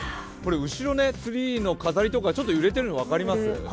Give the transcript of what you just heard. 後ろ、ツリーの飾りとかちょっと揺れているの分かります？